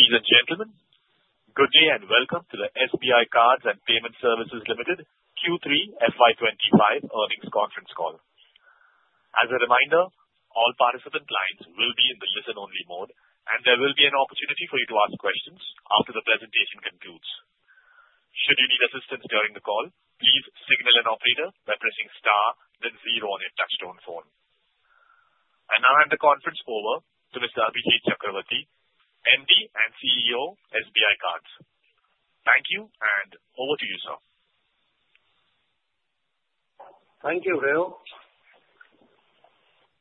Ladies and gentlemen, good day and welcome to the SBI Cards and Payment Services Limited Q3 FY25 earnings conference call. As a reminder, all participant lines will be in the listen-only mode, and there will be an opportunity for you to ask questions after the presentation concludes. Should you need assistance during the call, please signal an operator by pressing star, then zero on your touch-tone phone. And now I'll hand the conference over to Mr. Abhijit Chakravorty, MD and CEO of SBI Cards. Thank you, and over to you, sir. Thank you, Rao.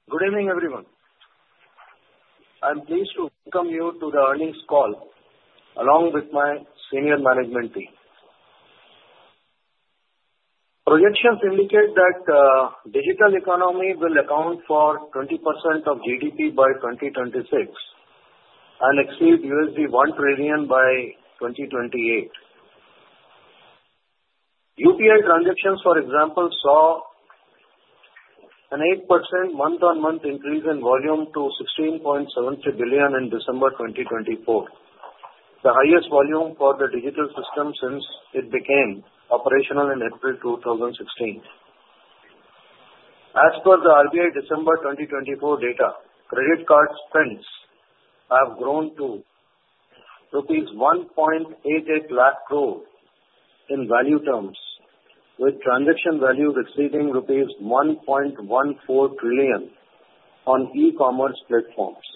Good evening, everyone. I'm pleased to welcome you to the earnings call along with my senior management team. Projections indicate that digital economy will account for 20% of GDP by 2026 and exceed $1 trillion by 2028. UPI transactions, for example, saw an 8% month-on-month increase in volume to 16.73 billion in December 2024, the highest volume for the digital system since it became operational in April 2016. As per the RBI December 2024 data, credit card spends have grown to rupees 1.88 lakh crore in value terms, with transaction values exceeding rupees 1.14 trillion on e-commerce platforms.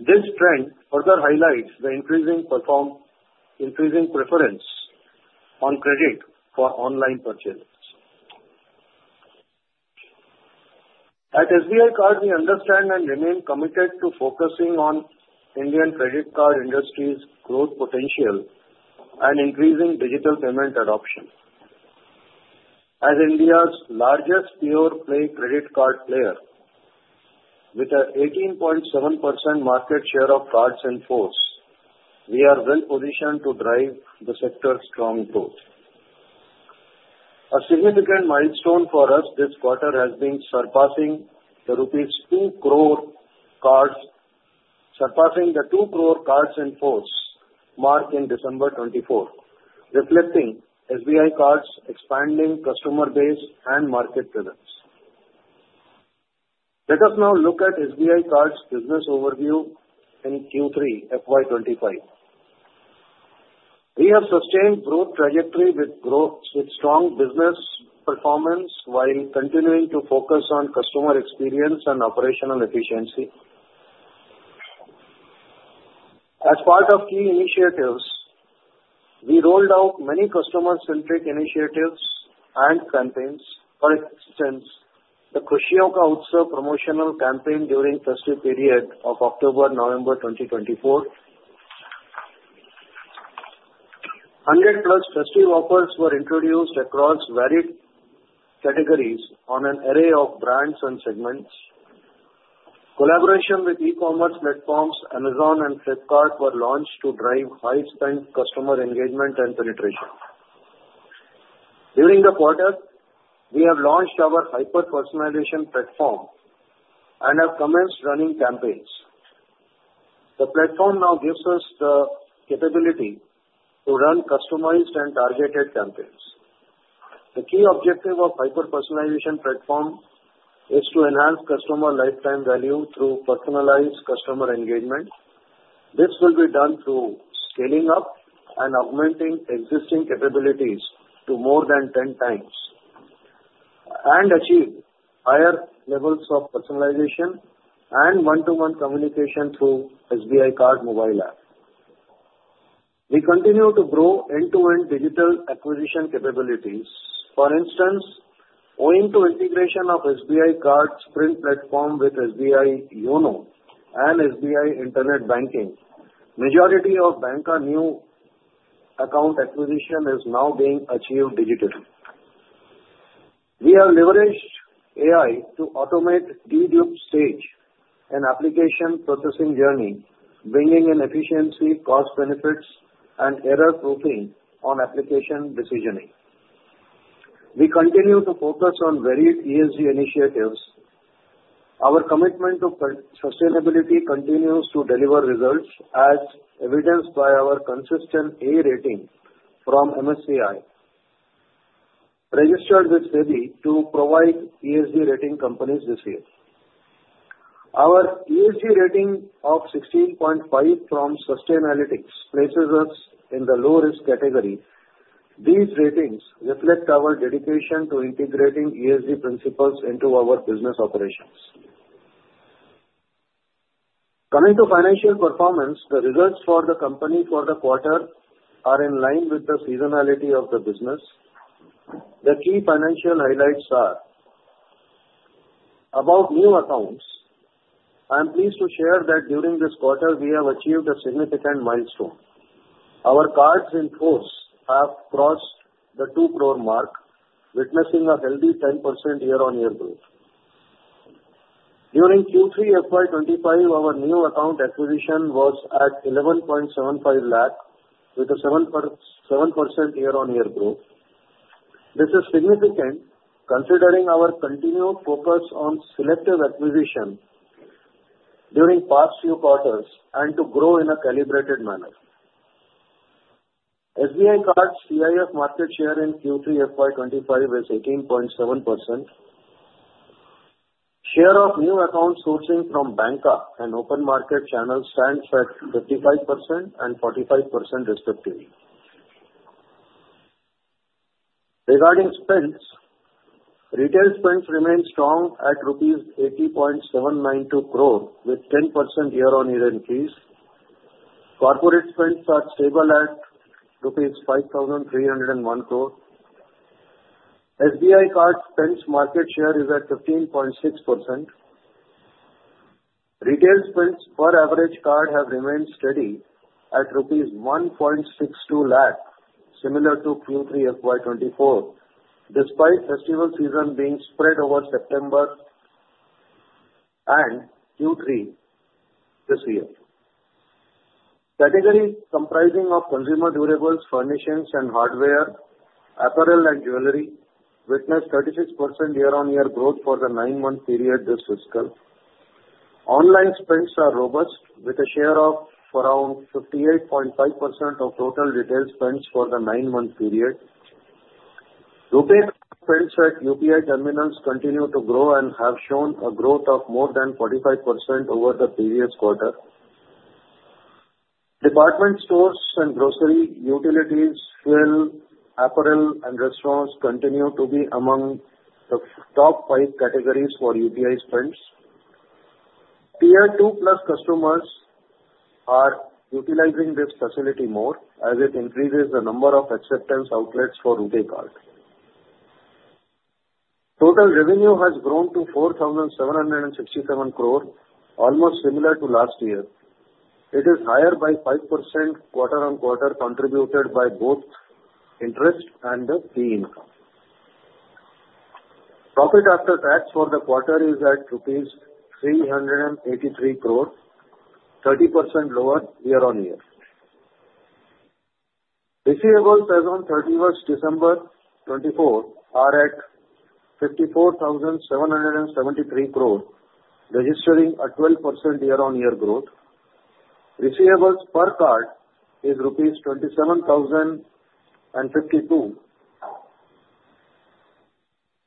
This trend further highlights the increasing preference on credit for online purchases. At SBI Cards, we understand and remain committed to focusing on Indian credit card industry's growth potential and increasing digital payment adoption. As India's largest pure-play credit card player, with an 18.7% market share of cards in force, we are well-positioned to drive the sector's strong growth. A significant milestone for us this quarter has been surpassing the rupees 2 crore cards in force mark in December 2024, reflecting SBI Cards' expanding customer base and market presence. Let us now look at SBI Cards' business overview in Q3 FY25. We have sustained growth trajectory with strong business performance while continuing to focus on customer experience and operational efficiency. As part of key initiatives, we rolled out many customer-centric initiatives and campaigns, for instance, the Khushiyon Ka Utsav promotional campaign during the festive period of October-November 2024. 100-plus festive offers were introduced across varied categories on an array of brands and segments. Collaboration with e-commerce platforms Amazon and Flipkart were launched to drive high-spend customer engagement and penetration. During the quarter, we have launched our hyper-personalization platform and have commenced running campaigns. The platform now gives us the capability to run customized and targeted campaigns. The key objective of the hyper-personalization platform is to enhance customer lifetime value through personalized customer engagement. This will be done through scaling up and augmenting existing capabilities to more than 10 times and achieve higher levels of personalization and one-to-one communication through the SBI Card Mobile App. We continue to grow end-to-end digital acquisition capabilities. For instance, owing to the integration of the SBI Cards print platform with SBI YONO and SBI Internet Banking, the majority of banker new account acquisition is now being achieved digitally. We have leveraged AI to automate dedupe stage in application processing journey, bringing in efficiency, cost benefits, and error proofing on application decisioning. We continue to focus on varied ESG initiatives. Our commitment to sustainability continues to deliver results, as evidenced by our consistent A rating from MSCI, registered with SEBI to provide ESG rating companies this year. Our ESG rating of 16.5 from Sustainalytics places us in the low-risk category. These ratings reflect our dedication to integrating ESG principles into our business operations. Coming to financial performance, the results for the company for the quarter are in line with the seasonality of the business. The key financial highlights are: On new accounts, I am pleased to share that during this quarter, we have achieved a significant milestone. Our cards in force have crossed the 2 crore mark, witnessing a healthy 10% year-on-year growth. During Q3 FY25, our new account acquisition was at 11.75 lakh, with a 7% year-on-year growth. This is significant considering our continued focus on selective acquisition during the past few quarters and to grow in a calibrated manner. SBI Cards' CIF market share in Q3 FY25 is 18.7%. Share of new accounts sourcing from banker and open market channels stands at 55% and 45% respectively. Regarding spends, retail spends remain strong at rupees 80.792 crore, with a 10% year-on-year increase. Corporate spends are stable at rupees 5,301 crore. SBI Cards' spends market share is at 15.6%. Retail spends per average card have remained steady at rupees 1.62 lakh, similar to Q3 FY24, despite the festival season being spread over September and Q3 this year. Categories comprising consumer durables, furnishings, and hardware, apparel, and jewelry witnessed 36% year-on-year growth for the nine-month period this fiscal. Online spends are robust, with a share of around 58.5% of total retail spends for the nine-month period. RuPay spends at UPI terminals continue to grow and have shown a growth of more than 45% over the previous quarter. Department stores and grocery utilities, fuels, apparel, and restaurants continue to be among the top five categories for UPI spends. Tier 2+ customers are utilizing this facility more, as it increases the number of acceptance outlets for RuPay Card. Total revenue has grown to 4,767 crore, almost similar to last year. It is higher by 5% quarter-on-quarter, contributed by both interest and the fee income. Profit after tax for the quarter is at rupees 383 crore, 30% lower year-on-year. Receivables as of 31st December 2024 are at 54,773 crore, registering a 12% year-on-year growth. Receivables per card is rupees 27,052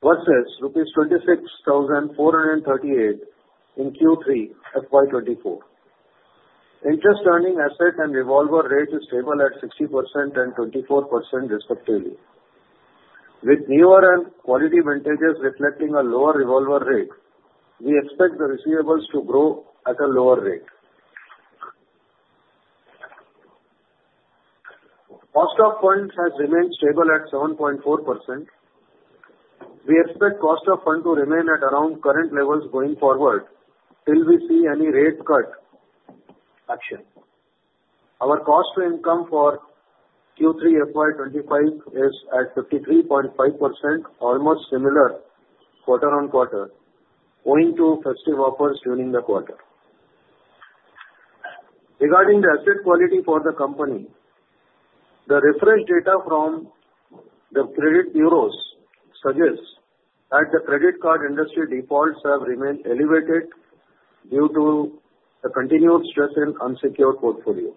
versus rupees 26,438 in Q3 FY24. Interest-earning asset and revolver rate is stable at 60% and 24% respectively. With newer and quality vintages reflecting a lower revolver rate, we expect the receivables to grow at a lower rate. Cost of funds has remained stable at 7.4%. We expect the cost of funds to remain at around current levels going forward till we see any rate cut action. Our cost-to-income for Q3 FY25 is at 53.5%, almost similar quarter-on-quarter, owing to festive offers during the quarter. Regarding the asset quality for the company, the refreshed data from the credit bureaus suggests that the credit card industry defaults have remained elevated due to the continued stress in unsecured portfolios.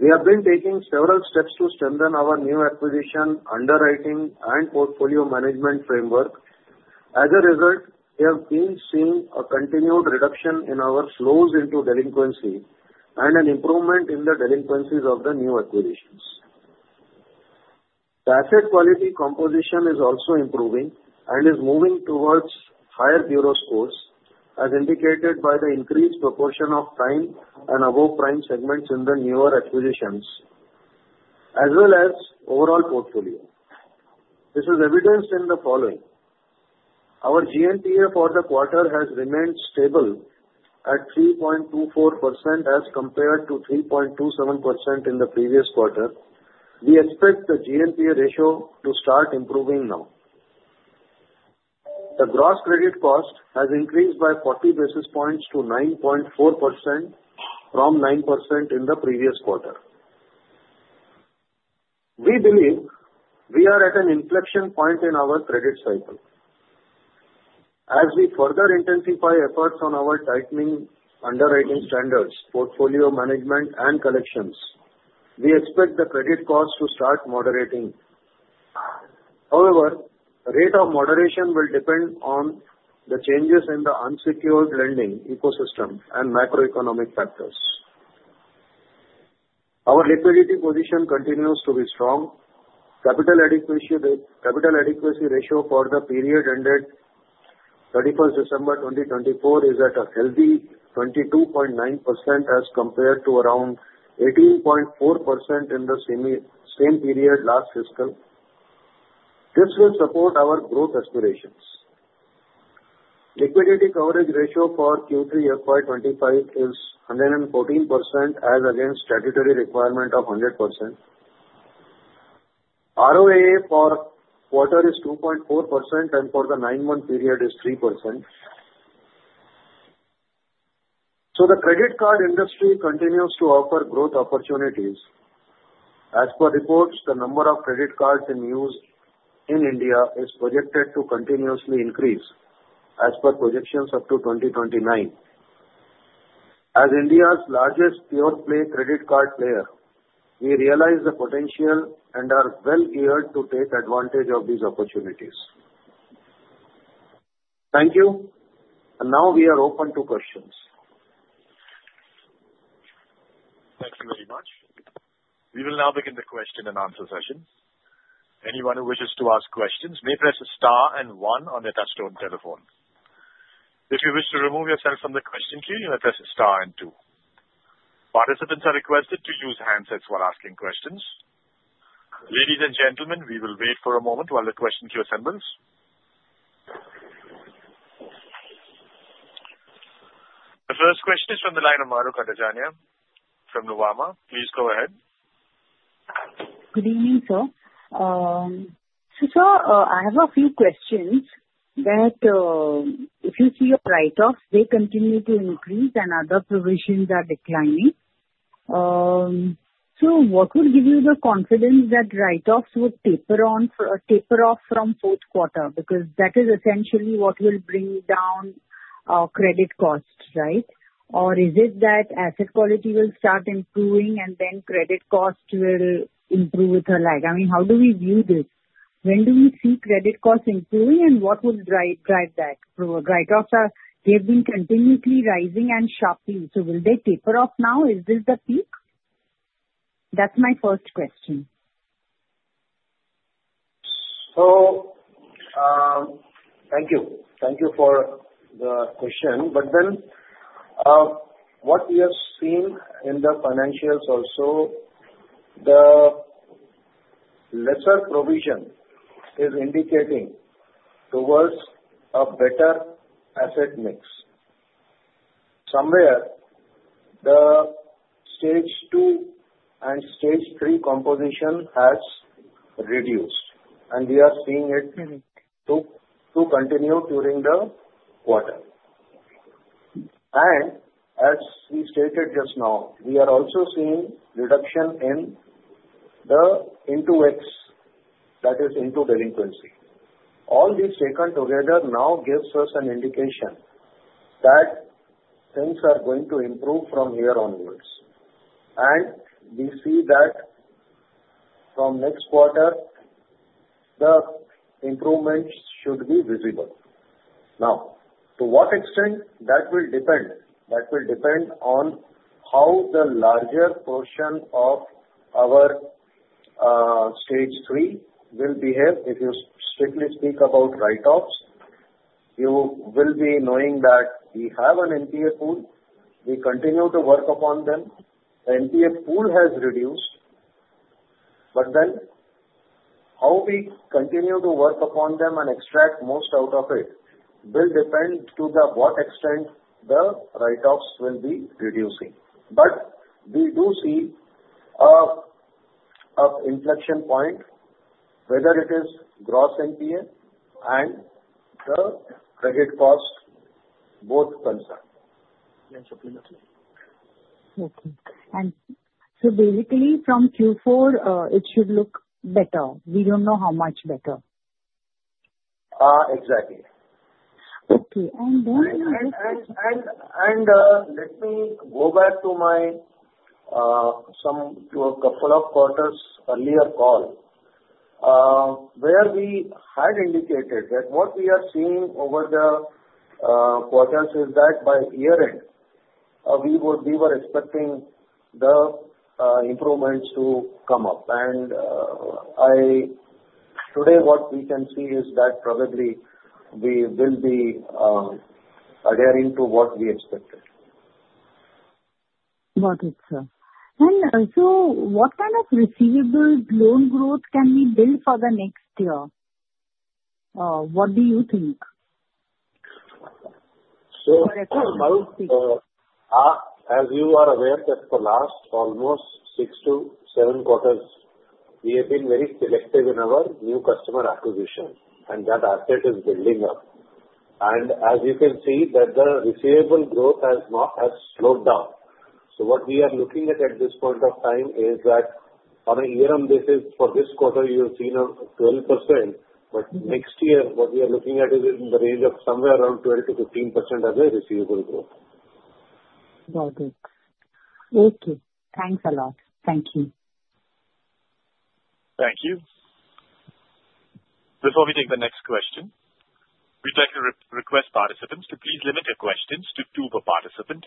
We have been taking several steps to strengthen our new acquisition, underwriting, and portfolio management framework. As a result, we have been seeing a continued reduction in our flows into delinquency and an improvement in the delinquencies of the new acquisitions. The asset quality composition is also improving and is moving towards higher bureau scores, as indicated by the increased proportion of prime and above-prime segments in the newer acquisitions, as well as overall portfolio. This is evidenced in the following. Our GNPA for the quarter has remained stable at 3.24% as compared to 3.27% in the previous quarter. We expect the GNPA ratio to start improving now. The gross credit cost has increased by 40 basis points to 9.4% from 9% in the previous quarter. We believe we are at an inflection point in our credit cycle. As we further intensify efforts on our tightening underwriting standards, portfolio management, and collections, we expect the credit costs to start moderating. However, the rate of moderation will depend on the changes in the unsecured lending ecosystem and macroeconomic factors. Our liquidity position continues to be strong. Capital adequacy ratio for the period ended 31st December 2024 is at a healthy 22.9% as compared to around 18.4% in the same period last fiscal. This will support our growth aspirations. Liquidity coverage ratio for Q3 FY25 is 114%, as against statutory requirement of 100%. ROA for quarter is 2.4%, and for the nine-month period, it is 3%, so the credit card industry continues to offer growth opportunities. As per reports, the number of credit cards in use in India is projected to continuously increase, as per projections up to 2029. As India's largest pure-play credit card player, we realize the potential and are well geared to take advantage of these opportunities. Thank you, and now we are open to questions. Thank you very much. We will now begin the question and answer session. Anyone who wishes to ask questions may press the star and one on the touch-tone telephone. If you wish to remove yourself from the question queue, you may press the star and two. Participants are requested to use handsets while asking questions. Ladies and gentlemen, we will wait for a moment while the question queue assembles. The first question is from the line of Mahrukh Adajania from Nuvama. Please go ahead. Good evening, sir. So, sir, I have a few questions that if you see your write-offs, they continue to increase and other provisions are declining. So, what would give you the confidence that write-offs would taper off from fourth quarter? Because that is essentially what will bring down credit costs, right? Or is it that asset quality will start improving and then credit costs will improve with the lag? I mean, how do we view this? When do we see credit costs improving and what will drive that? Write-offs, they've been continuously rising and sharply. So, will they taper off now? Is this the peak? That's my first question. So, thank you. Thank you for the question. Then, what we have seen in the financials also, the lesser provision is indicating towards a better asset mix. Somewhere, the Stage 2 and Stage 3 composition has reduced, and we are seeing it to continue during the quarter. And as we stated just now, we are also seeing reduction in the into 90s, that is, into delinquency. All these taken together now gives us an indication that things are going to improve from here onwards. And we see that from next quarter, the improvements should be visible. Now, to what extent that will depend? That will depend on how the larger portion of our Stage 3 will behave. If you strictly speak about write-offs, you will be knowing that we have an NPA pool. We continue to work upon them. The NPA pool has reduced. But then, how we continue to work upon them and extract most out of it will depend to what extent the write-offs will be reducing. But we do see an inflection point, whether it is gross NPA and the credit cost, both concerned. Okay. And so, basically, from Q4, it should look better. We don't know how much better. Exactly. Okay. And then, and let me go back to my, a couple of quarters earlier call, where we had indicated that what we are seeing over the quarters is that by year-end, we were expecting the improvements to come up. And today, what we can see is that probably we will be adhering to what we expected. Got it, sir. And so, what kind of receivables loan growth can we build for the next year? What do you think? So, Mahrukh, as you are aware, that for the last almost six to seven quarters, we have been very selective in our new customer acquisition, and that asset is building up. And as you can see, the receivable growth has not slowed down. So, what we are looking at at this point of time is that on a year-end basis, for this quarter, you've seen a 12%. But next year, what we are looking at is in the range of somewhere around 12%-15% as a receivable growth. Got it. Okay. Thanks a lot. Thank you. Thank you. Before we take the next question, we'd like to request participants to please limit their questions to two per participant.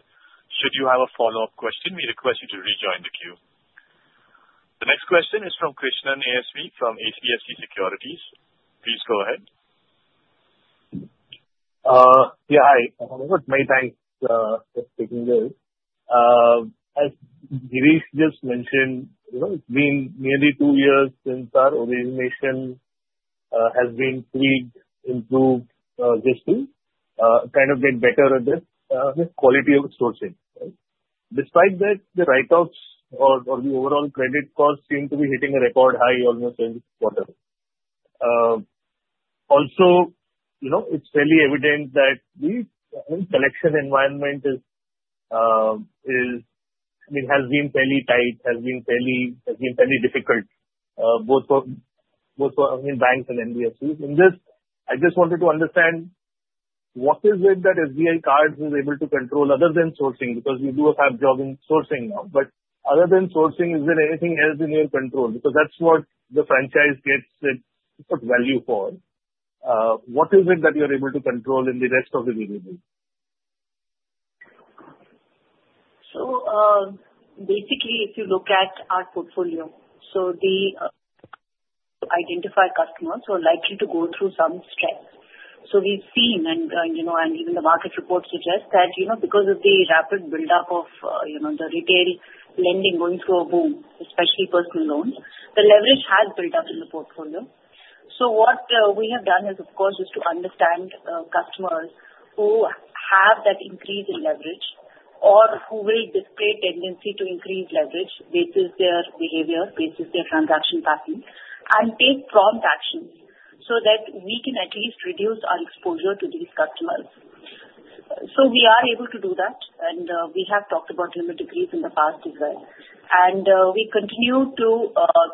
Should you have a follow-up question, we request you to rejoin the queue. The next question is from Krishnan ASV from HDFC Securities. Please go ahead. Yeah. Hi. Maybank speaking here. As Girish just mentioned, it's been nearly two years since our origination has been tweaked, improved just to kind of get better at this quality of sourcing. Despite that, the write-offs or the overall credit costs seem to be hitting a record high almost every quarter. Also, it's fairly evident that the collection environment has been fairly tight, has been fairly difficult, both for, I mean, banks and NBFCs. I just wanted to understand what is it that SBI Cards is able to control other than sourcing? Because you do a hard job in sourcing now. But other than sourcing, is there anything else in your control? Because that's what the franchise gets value for. What is it that you're able to control in the rest of the DBD? So, basically, if you look at our portfolio, the identified customers who are likely to go through some stress. So we've seen, and even the market reports suggest that because of the rapid build-up of the retail lending going through a boom, especially personal loans, the leverage has built up in the portfolio. So what we have done is, of course, to understand customers who have that increase in leverage or who will display a tendency to increase leverage based on their behavior, based on their transaction pattern, and take prompt action so that we can at least reduce our exposure to these customers. So we are able to do that, and we have talked about limit decrease in the past as well, and we continue to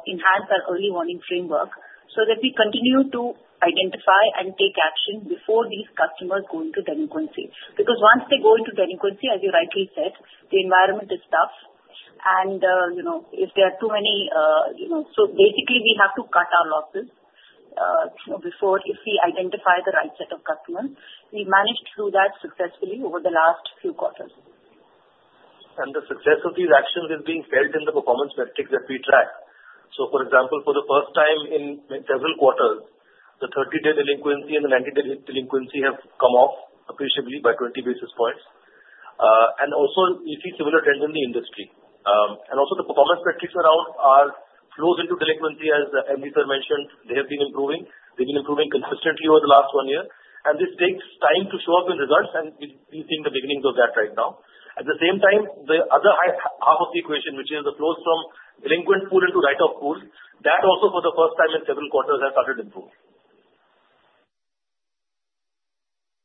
enhance our early warning framework so that we continue to identify and take action before these customers go into delinquency. Because once they go into delinquency, as you rightly said, the environment is tough, and if there are too many so basically, we have to cut our losses before if we identify the right set of customers. We've managed to do that successfully over the last few quarters. And the success of these actions is being felt in the performance metrics that we track, so for example, for the first time in several quarters, the 30-day delinquency and the 90-day delinquency have come off appreciably by 20 basis points, and also we see similar trends in the industry, and also the performance metrics around our flows into delinquency, as MD sir mentioned, they have been improving. They've been improving consistently over the last one year, and this takes time to show up in results, and we're seeing the beginnings of that right now. At the same time, the other half of the equation, which is the flows from delinquent pool into write-off pool, that also for the first time in several quarters has started improving.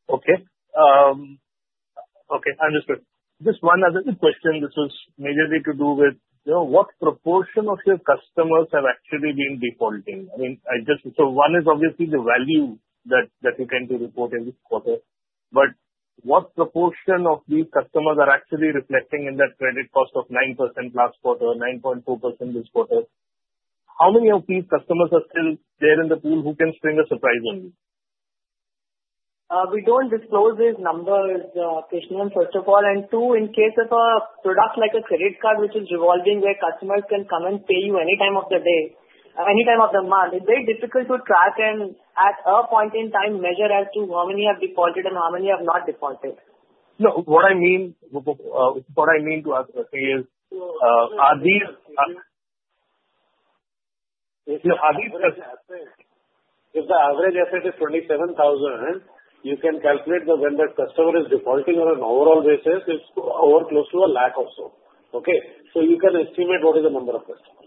Okay. Okay. Understood. Just one other question. This is majorly to do with what proportion of your customers have actually been defaulting? I mean, I just so one is obviously the value that you tend to report every quarter. But what proportion of these customers are actually reflecting in that credit cost of 9% last quarter, 9.2% this quarter? How many of these customers are still there in the pool who can spring a surprise on you? We don't disclose these numbers, Krishnan, first of all. And two, in case of a product like a credit card, which is revolving where customers can come and pay you any time of the day, any time of the month, it's very difficult to track and at a point in time measure as to how many have defaulted and how many have not defaulted. No, what I mean what I mean to say is, are these if the average asset is 27,000, you can calculate that when that customer is defaulting on an overall basis, it's over close to a lakh or so. Okay? So you can estimate what is the number of customers.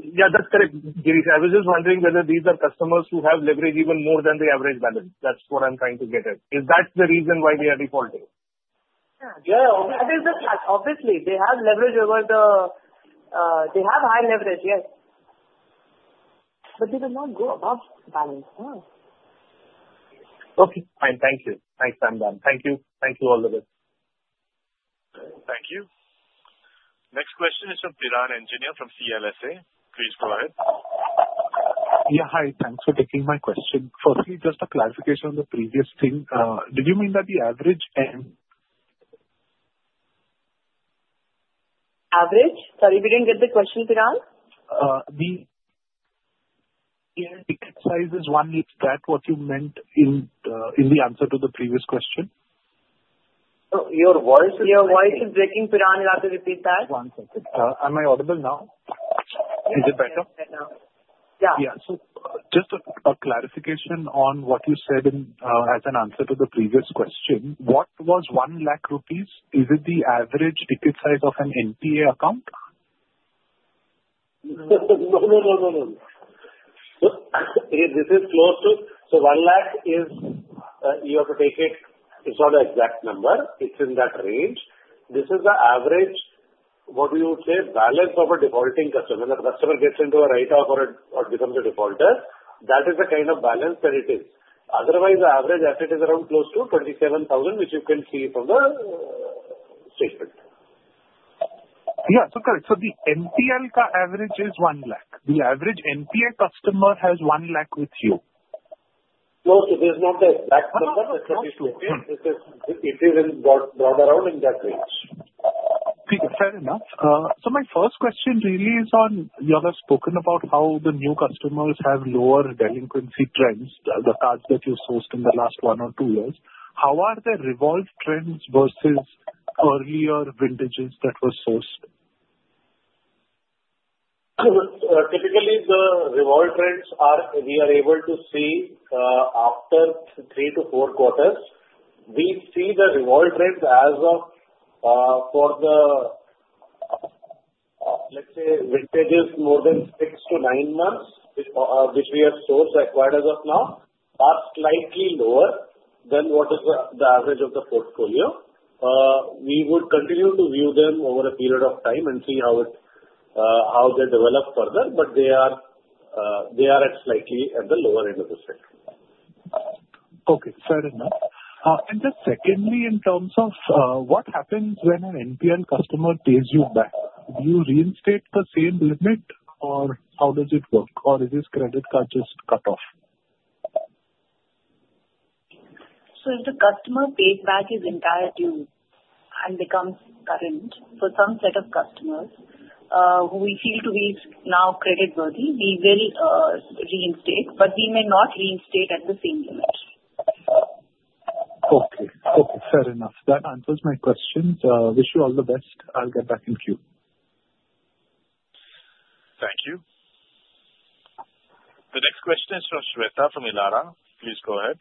Yeah, that's correct. Girish, I was just wondering whether these are customers who have leverage even more than the average balance. That's what I'm trying to get at. Is that the reason why they are defaulting? Yeah. Obviously, they have leverage over them. They have high leverage, yes. But they do not go above balance. Okay. Fine. Thank you. Thanks, ma'am. Thank you. Thank you. All the best. Thank you. Next question is from Piran Engineer from CLSA. Please go ahead. Yeah. Hi. Thanks for taking my question. Firstly, just a clarification on the previous thing. Did you mean that the average and. Average? Sorry, we didn't get the question, Piran? The ticket size is one. Is that what you meant in the answer to the previous question? Your voice is breaking, Piran. You have to repeat that. One second. Am I audible now? Is it better? Yeah. So just a clarification on what you said as an answer to the previous question. What was 1 lakh rupees? Is it the average ticket size of an NPA account? No, no, no, no, no, no. This is close to so one lakh is you have to take it. It's not an exact number. It's in that range. This is the average, what we would say, balance of a defaulting customer. When the customer gets into a write-off or becomes a defaulter, that is the kind of balance that it is. Otherwise, the average asset is around close to 27,000, which you can see from the statement. Yeah. So correct. So the MPLCA average is one lakh. The average NPA customer has one lakh with you. No, it is not that number. It is brought around in that range. Okay. Fair enough. So my first question really is on you have spoken about how the new customers have lower delinquency trends, the cards that you sourced in the last one or two years. How are the revolver trends versus earlier vintages that were sourced? Typically, the revolver trends are we are able to see after three to four quarters. We see the revolver trends as of for the, let's say, vintages more than six to nine months, which we have sourced acquired as of now, are slightly lower than what is the average of the portfolio. We would continue to view them over a period of time and see how they develop further. But they are slightly at the lower end of the spectrum. Okay. Fair enough. And then secondly, in terms of what happens when an NPL customer pays you back? Do you reinstate the same limit, or how does it work? Or is this credit card just cut off? So if the customer pays back his entire due and becomes current for some set of customers who we feel to be now creditworthy, we will reinstate. But we may not reinstate at the same limit. Okay. Okay. Fair enough. That answers my question. Wish you all the best. I'll get back in queue. Thank you. The next question is from Shweta from Elara. Please go ahead.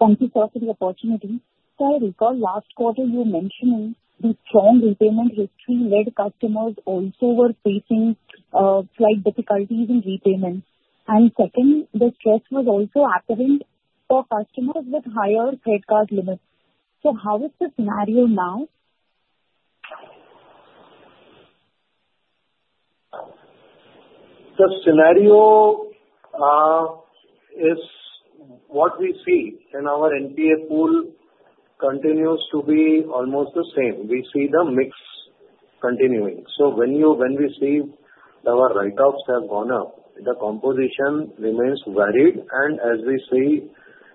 Thank you, sir, for the opportunity. So I recall last quarter you were mentioning the strong repayment history led customers also were facing slight difficulties in repayment. And second, the stress was also apparent for customers with higher credit card limits. So how is the scenario now? The scenario is what we see in our NPA pool continues to be almost the same. We see the mix continuing. So when we see our write-offs have gone up, the composition remains varied. As we see,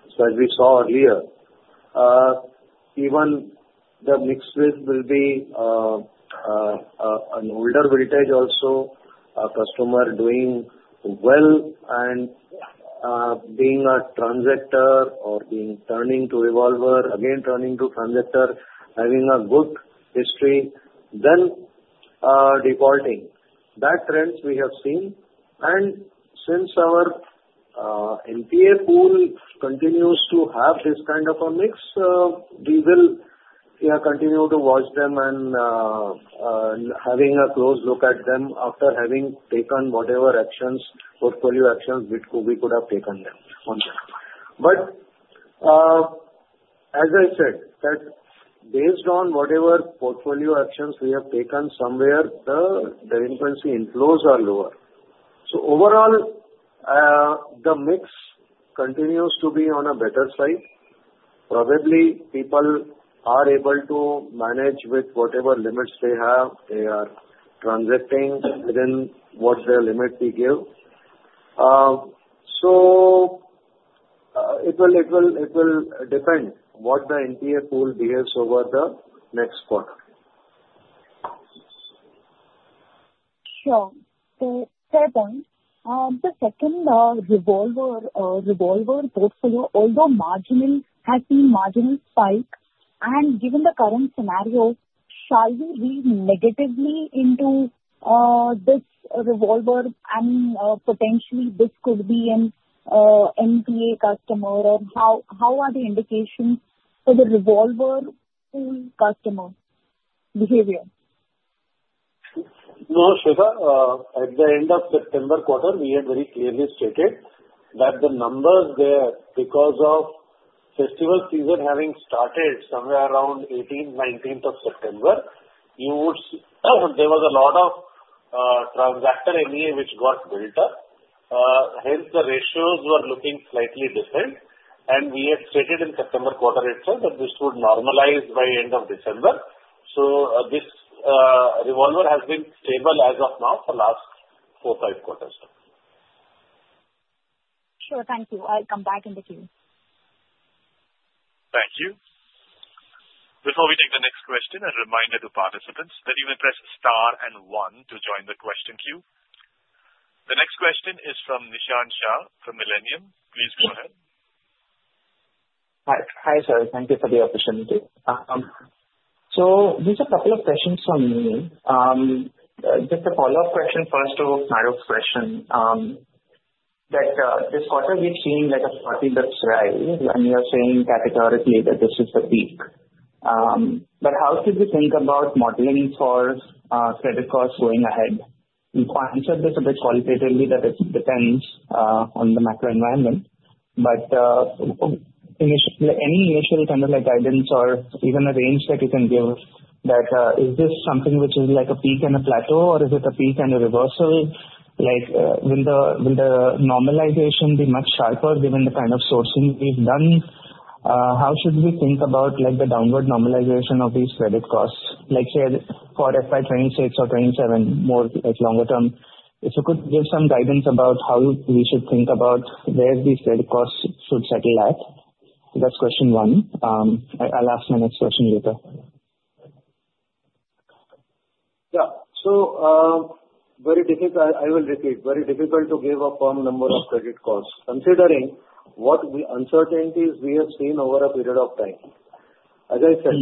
as we saw earlier, even the mix will be an older vintage also, a customer doing well and being a transactor or turning to revolver, again turning to transactor, having a good history, then defaulting. That trend we have seen. Since our NPA pool continues to have this kind of a mix, we will continue to watch them and having a close look at them after having taken whatever actions, portfolio actions we could have taken on them. As I said, that, based on whatever portfolio actions we have taken so far, the delinquency inflows are lower. Overall, the mix continues to be on a better side. Probably people are able to manage with whatever limits they have. They are transacting within what their limit they give. It will depend on what the NPA pool behaves over the next quarter. Sure. Fair point. The second revolver portfolio, although marginal, has seen marginal spike. And given the current scenario, shall we read negatively into this revolver and potentially this could be an NPA customer? Or how are the indications for the revolver pool customer behavior? No, Shweta. At the end of September quarter, we had very clearly stated that the numbers there, because of festival season having started somewhere around 18th, 19th of September, there was a lot of transactor NEA which got built up. Hence, the ratios were looking slightly different. And we had stated in September quarter itself that this would normalize by end of December. So this revolver has been stable as of now for the last four, five quarters. Sure. Thank you. I'll come back in the queue. Thank you. Before we take the next question, a reminder to participants that you may press star and one to join the question queue. The next question is from Nishant Shah from Millennium. Please go ahead. Hi, sir. Thank you for the opportunity. So these are a couple of questions from me. Just a follow-up question first to Marukh's question. This quarter, we've seen a sharp dip, right? And you're saying categorically that this is the peak. But how should we think about modeling for credit costs going ahead? You answered this a bit qualitatively that it depends on the macro environment. But any initial kind of guidance or even a range that you can give that is this something which is like a peak and a plateau, or is it a peak and a reversal? Will the normalization be much sharper given the kind of sourcing we've done? How should we think about the downward normalization of these credit costs? Let's say for FY26 or 27, more longer term, if you could give some guidance about how we should think about where these credit costs should settle at? That's question one. I'll ask my next question later. Yeah. So very difficult. I will repeat. Very difficult to give a firm number of credit costs considering what uncertainties we have seen over a period of time. As I said,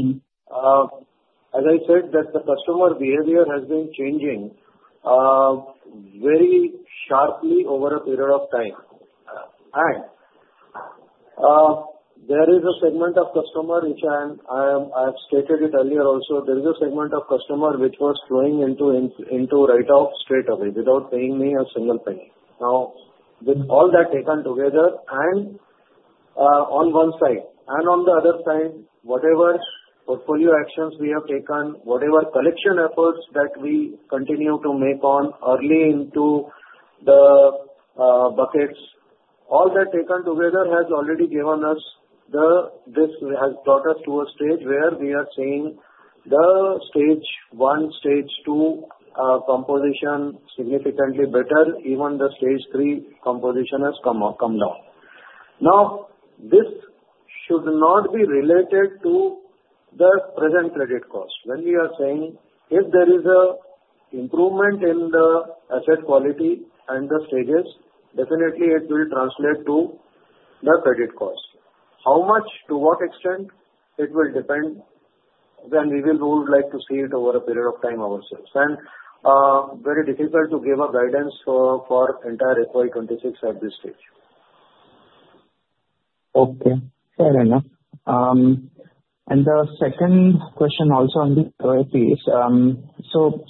as I said, that the customer behavior has been changing very sharply over a period of time. And there is a segment of customer which I have stated it earlier also. There is a segment of customer which was flowing into write-off straight away without paying me a single penny. Now, with all that taken together and on one side and on the other side, whatever portfolio actions we have taken, whatever collection efforts that we continue to make on early into the buckets, all that taken together has already given us. This has brought us to a stage where we are seeing the stage one, stage two composition significantly better. Even the stage three composition has come down. Now, this should not be related to the present credit cost. When we are saying if there is an improvement in the asset quality and the stages, definitely it will translate to the credit cost. How much, to what extent, it will depend, then we will like to see it over a period of time ourselves and very difficult to give a guidance for entire FY26 at this stage. Okay. Fair enough. And the second question also on the other page. So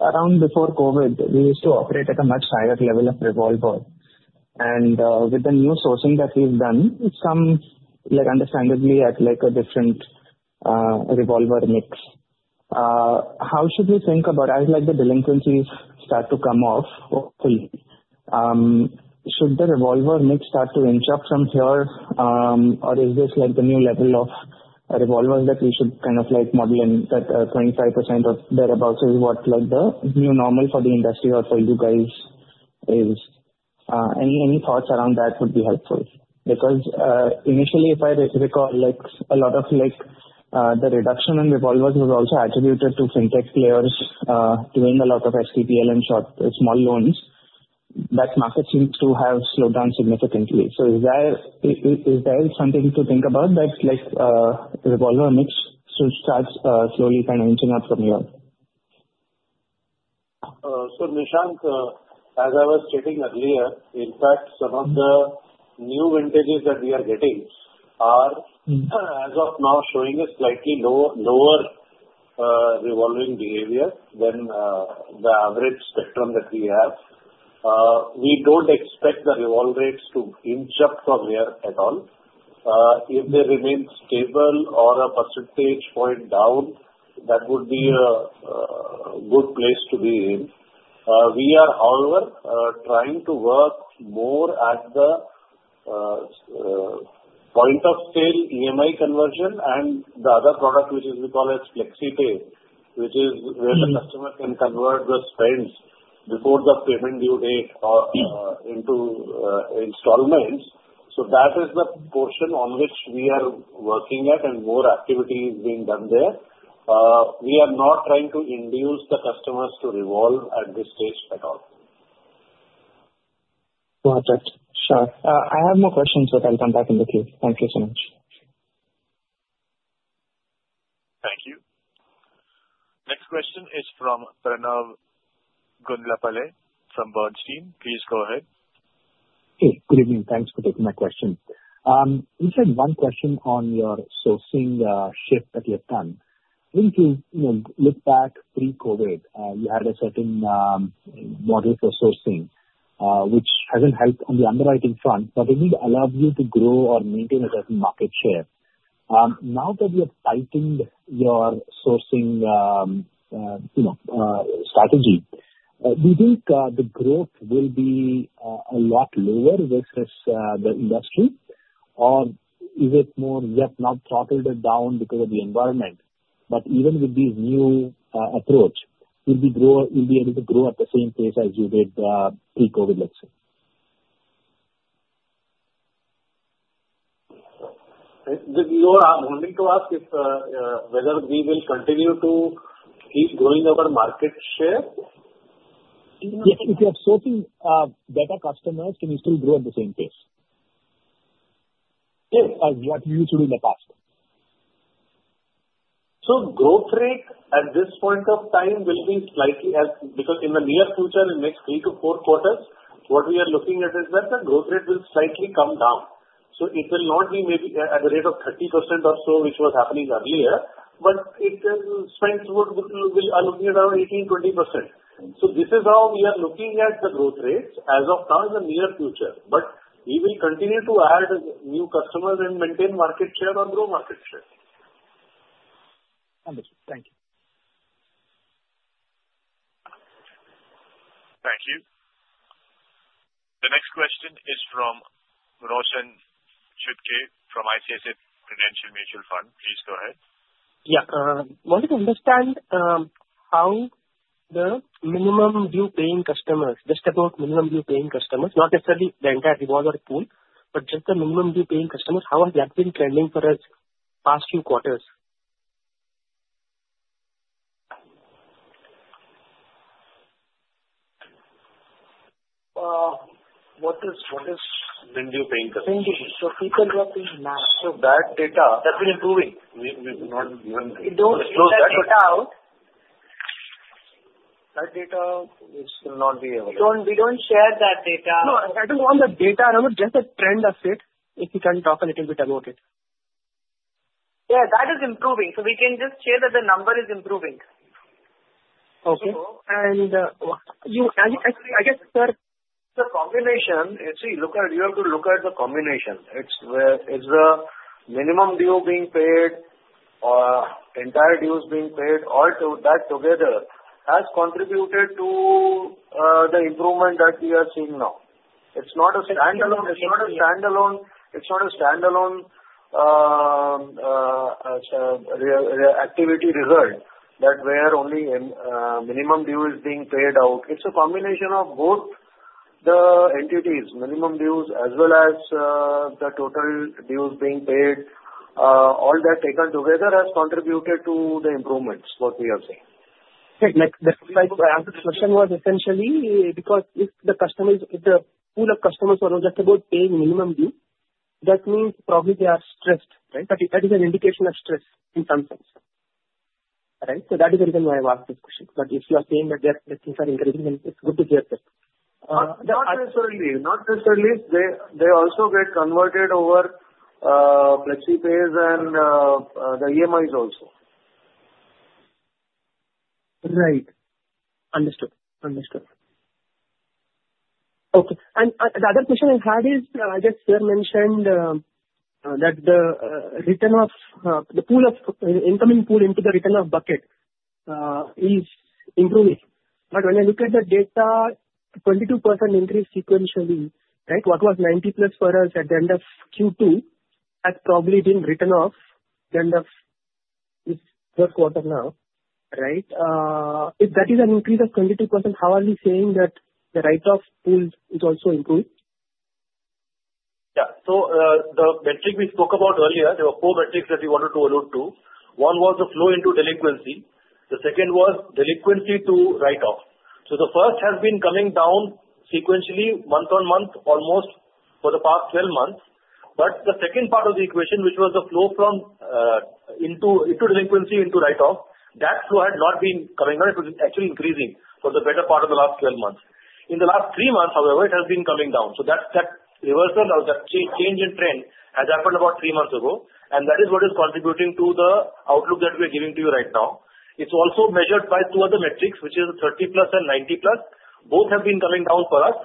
around before COVID, we used to operate at a much higher level of revolver. And with the new sourcing that we've done, it's come understandably at a different revolver mix. How should we think about as the delinquencies start to come off, hopefully, should the revolver mix start to inch up from here? Or is this the new level of revolvers that we should kind of model in that 25% or thereabouts is what the new normal for the industry or for you guys is? Any thoughts around that would be helpful. Because initially, if I recall, a lot of the reduction in revolvers was also attributed to fintech players doing a lot of STPL and small loans. That market seems to have slowed down significantly. So is there something to think about that revolver mix should start slowly kind of inching up from here? So Nishant, as I was stating earlier, in fact, some of the new vintages that we are getting are as of now showing a slightly lower revolving behavior than the average spectrum that we have. We don't expect the revolver rates to inch up from here at all. If they remain stable or a percentage point down, that would be a good place to be in. We are, however, trying to work more at the point of sale, EMI conversion, and the other product which we call as FlexiPay, which is where the customer can convert the spends before the payment due date into installments. So that is the portion on which we are working at, and more activity is being done there. We are not trying to induce the customers to revolve at this stage at all. Perfect. Sure. I have more questions, but I'll come back in the queue. Thank you so much. Thank you. Next question is from Pranav Gundlapalle from Bernstein. Please go ahead. Hey, good evening. Thanks for taking my question. You said one question on your sourcing shift that you've done. If you look back pre-COVID, you had a certain model for sourcing, which hasn't helped on the underwriting front, but it didn't allow you to grow or maintain a certain market share. Now that you have tightened your sourcing strategy, do you think the growth will be a lot lower versus the industry? Or is it more yet now throttled down because of the environment? But even with this new approach, will we be able to grow at the same pace as you did pre-COVID, let's say? No, I'm only to ask if whether we will continue to keep growing our market share. If you have sourcing better customers, can you still grow at the same pace as what you used to do in the past? So growth rate at this point of time will be slightly because in the near future, in the next three to four quarters, what we are looking at is that the growth rate will slightly come down. So it will not be maybe at a rate of 30% or so, which was happening earlier. But it will tend toward we are looking at around 18%-20%. So this is how we are looking at the growth rates as of now in the near future. But we will continue to add new customers and maintain market share or grow market share. Understood. Thank you. Thank you. The next question is from Roshan Chutkey from ICICI Prudential AMC. Please go ahead. Yeah. I wanted to understand how the minimum-due-paying customers, just about minimum-due-paying customers, not necessarily the entire revolver pool, but just the minimum-due-paying customers, how have they been trending for the past few quarters? What is minimum-due-paying customers? So that data that's been improving. We've not even we don't share that data. We don't share that data out. That data will not be available. We don't share that data. No, I don't want the data around it. Just a trend of it, if you can talk a little bit about it. Yeah, that is improving. So we can just share that the number is improving. Okay. I guess, sir, the combination, you see, you have to look at the combination. It's the minimum due being paid or entire dues being paid. All that together has contributed to the improvement that we are seeing now. It's not a standalone, it's not a standalone activity result that where only minimum dues being paid out. It's a combination of both the entities, minimum dues as well as the total dues being paid. All that taken together has contributed to the improvements, what we are seeing. Okay. Next question was essentially because if the customers, if the pool of customers are just about paying minimum due, that means probably they are stressed, right? That is an indication of stress in some sense. Right? So that is the reason why I've asked this question. But if you are saying that these are increasing, then it's good to hear that. Not necessarily. Not necessarily. They also get converted over FlexiPay and the EMIs also. Right. Understood. Understood. Okay. And the other question I had is, I guess Sir mentioned that the return of the pool of incoming pool into the return of bucket is improving. But when I look at the data, 22% increase sequentially, right? What was 90% plus for us at the end of Q2 has probably been returned off the end of this quarter now, right? If that is an increase of 22%, how are we saying that the write-off pool is also improved? Yeah. So the metric we spoke about earlier, there were four metrics that we wanted to allude to. One was the flow into delinquency. The second was delinquency to write-off. So the first has been coming down sequentially month on month almost for the past 12 months. But the second part of the equation, which was the flow from delinquency into write-off, that flow had not been coming up. It was actually increasing for the better part of the last 12 months. In the last three months, however, it has been coming down. So that reversal or that change in trend has happened about three months ago. And that is what is contributing to the outlook that we are giving to you right now. It's also measured by two other metrics, which are 30% plus and 90% plus. Both have been coming down for us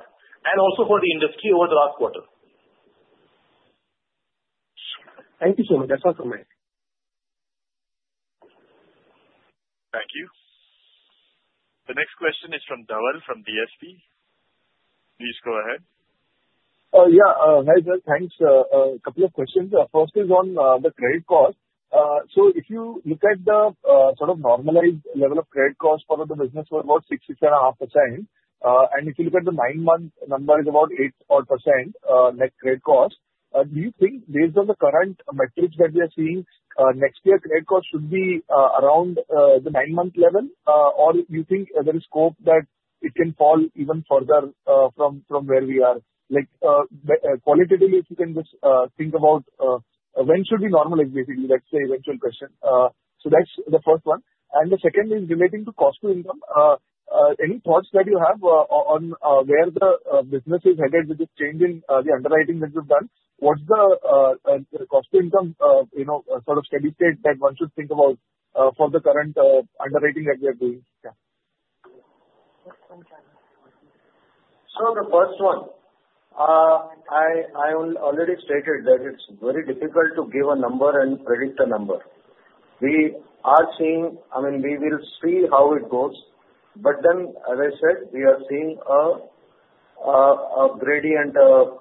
and also for the industry over the last quarter. Thank you so much. That's all from me. Thank you. The next question is from Dhaval from DSP. Please go ahead. Yeah. Hi, sir. Thanks. A couple of questions. First is on the credit cost. So if you look at the sort of normalized level of credit cost for the business for about 67%, and if you look at the nine-month number, it's about 8% net credit cost. Do you think based on the current metrics that we are seeing, next year credit cost should be around the nine-month level? Or do you think there is hope that it can fall even further from where we are? Qualitatively, if you can just think about when should we normalize, basically, that's the eventual question. So that's the first one. And the second is relating to cost to income. Any thoughts that you have on where the business is headed with this change in the underwriting that you've done? What's the cost to income sort of steady state that one should think about for the current underwriting that we are doing? Yeah. The first one, I already stated that it's very difficult to give a number and predict a number. We are seeing I mean, we will see how it goes. But then, as I said, we are seeing a gradient,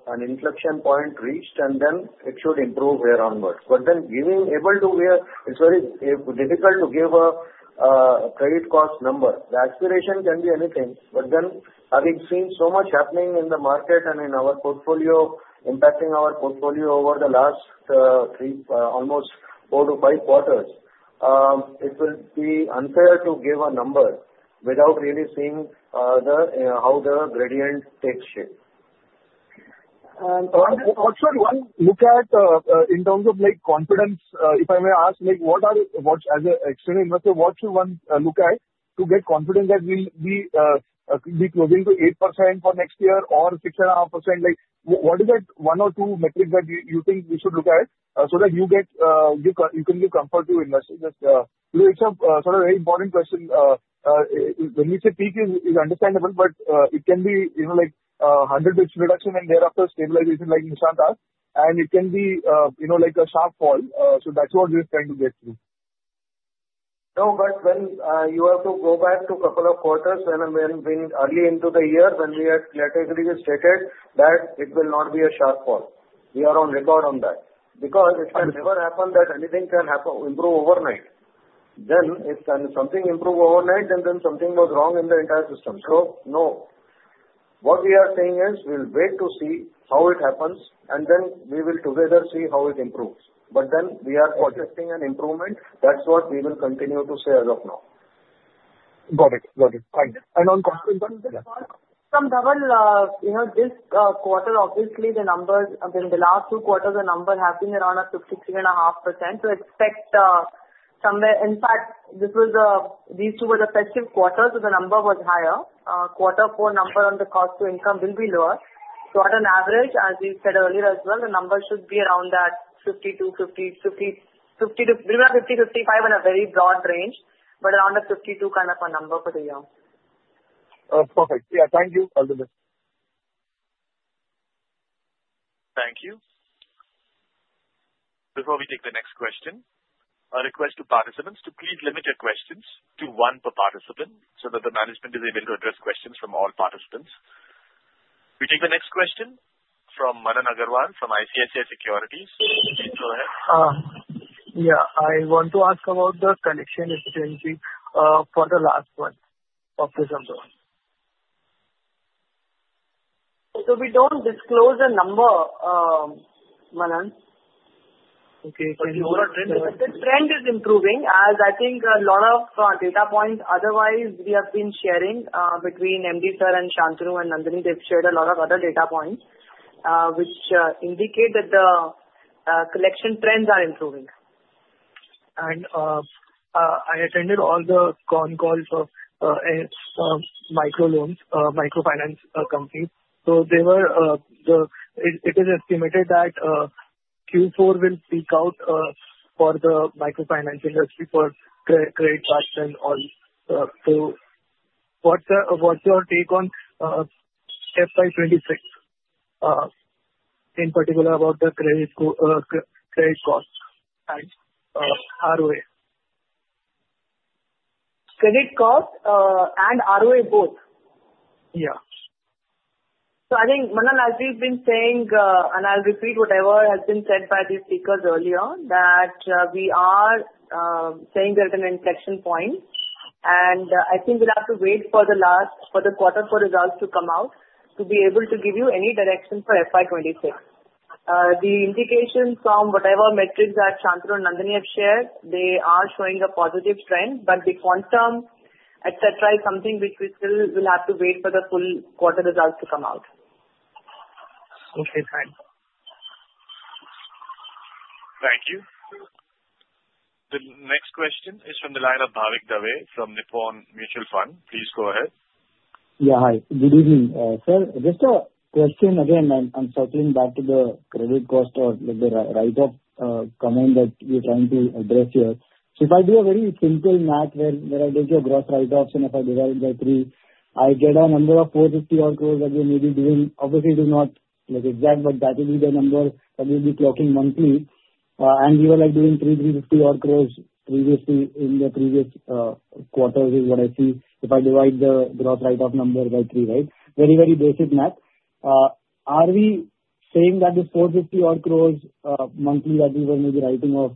an inflection point reached, and then it should improve here onwards. But then being able to, it's very difficult to give a credit cost number. The aspiration can be anything. But then having seen so much happening in the market and in our portfolio, impacting our portfolio over the last almost four-to-five quarters, it will be unfair to give a number without really seeing how the gradient takes shape. Also look at in terms of confidence, if I may ask, as an external investor, what should one look at to get confident that we'll be closing to 8% for next year or 67%? What is that one or two metrics that you think we should look at so that you can give comfort to investors? It's a sort of very important question. When we say peak, it's understandable, but it can be a hundred basis point reduction and thereafter stabilization like Nishant asked. And it can be a sharp fall. So that's what we're trying to get through. No, but when you have to go back to a couple of quarters early into the year, when we had clearly stated that it will not be a sharp fall, we are on record on that. Because it can never happen that anything can improve overnight. Then if something improves overnight, then something was wrong in the entire system. So no. What we are saying is we'll wait to see how it happens, and then we will together see how it improves. But then we are forecasting an improvement. That's what we will continue to say as of now. Got it. Got it. And on cost to income, you said? From Dhaval, this quarter, obviously, the numbers—the last two quarters, the number has been around at 53.5%. So expect somewhere—in fact, these two were the festive quarters, so the number was higher. Quarter four number on the cost to income will be lower. So on an average, as we said earlier as well, the number should be around that 52, 50, 50, maybe not 50, 55 in a very broad range, but around a 52 kind of a number for the year. Perfect. Yeah. Thank you for all the best. Thank you. Before we take the next question, a request to participants to please limit your questions to one per participant so that the management is able to address questions from all participants. We take the next question from Manan Agarwal from ICICI Securities. Go ahead. Yeah. I want to ask about the selection efficiency for the last one of the summer. So we don't disclose a number, Manan. Okay. But the trend is improving, as I think a lot of data points otherwise we have been sharing between MD Sir and Shantanu and Nandini, they've shared a lot of other data points which indicate that the collection trends are improving. And I attended all the con calls of micro loans, microfinance companies. So it is estimated that Q4 will peak out for the microfinance industry for credit cards and all. So what's your take on FY26 in particular about the credit cost and ROA? Credit cost and ROA both? Yeah. So I think, Manan, as we've been saying, and I'll repeat whatever has been said by the speakers earlier, that we are saying there's an inflection point. And I think we'll have to wait for the quarter four results to come out to be able to give you any direction for FY26. The indication from whatever metrics that Shantanu and Nandini have shared, they are showing a positive trend, but the quantum, etc., is something which we still will have to wait for the full quarter results to come out. Okay. Fine. Thank you. The next question is from the line of Bhavik Dave from Nippon India Mutual Fund. Please go ahead. Yeah. Hi. Good evening, sir. Just a question again. I'm circling back to the credit cost or the write-off comment that you're trying to address here. So if I do a very simple math where I take your gross write-offs and if I divide it by three, I get a number of 450-odd crores that we may be doing. Obviously, we do not look exact, but that would be the number that we'll be clocking monthly. And we were doing 3,350-odd crores previously in the previous quarter is what I see if I divide the gross write-off number by three, right? Very, very basic math. Are we saying that this 450-odd crores monthly that we were maybe writing off,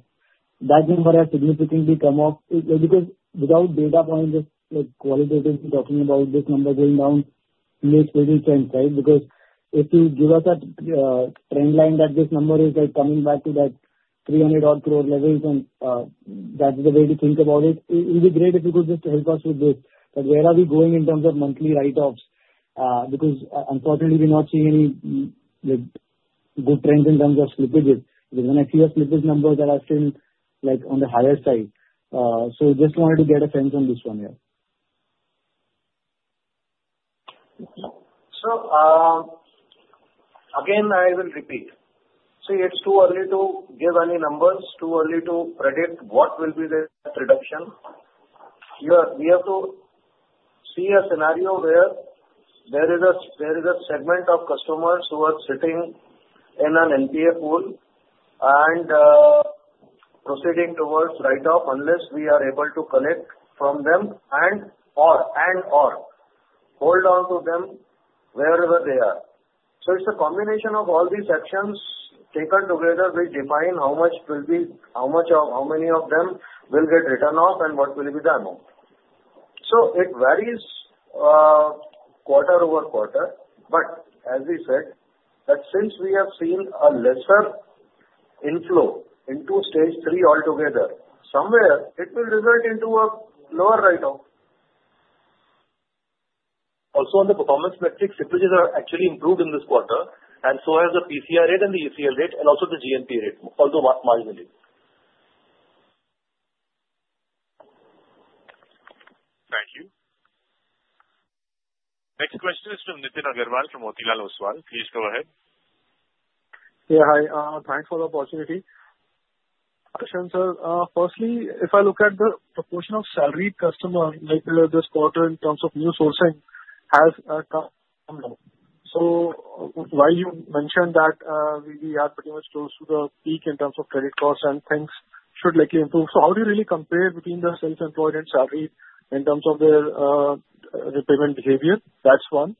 that number has significantly come off? Because without data points, just qualitatively talking about this number going down makes little sense, right? Because if you give us a trend line that this number is coming back to that 300-odd crore levels, then that's the way to think about it. It would be great if you could just help us with this. But where are we going in terms of monthly write-offs? Because unfortunately, we're not seeing any good trends in terms of slippages. When I see a slippage number, that has been on the higher side. So just wanted to get a sense on this one here. So again, I will repeat. See, it's too early to give any numbers, too early to predict what will be the reduction. We have to see a scenario where there is a segment of customers who are sitting in an NPA pool and proceeding towards write-off unless we are able to collect from them and/or hold on to them wherever they are. It's a combination of all these actions taken together which define how much will be, how many of them will get written off and what will be done on. It varies quarter over quarter. But as we said, that since we have seen a lesser inflow into stage three altogether, somewhere it will result into a lower write-off. Also on the performance metrics, slippages are actually improved in this quarter, and so has the PCR rate and the ECL rate and also the GNPA rate, although marginally. Thank you. Next question is from Nitin Aggarwal from Motilal Oswal. Please go ahead. Yeah. Hi. Thanks for the opportunity. Shantanu, sir, firstly, if I look at the proportion of salaried customers this quarter in terms of new sourcing has come down. While you mentioned that we are pretty much close to the peak in terms of credit cost and things should likely improve, how do you really compare between the self-employed and salaried in terms of their repayment behavior? That's one.